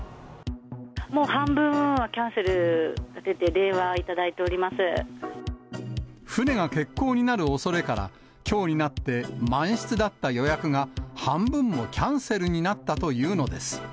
もう半分はキャンセル出て、船が欠航になるおそれから、きょうになって、満室だった予約が、半分もキャンセルになったというのです。